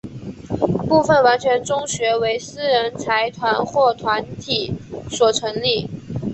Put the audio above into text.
部分完全中学为私人财团或团体所成立。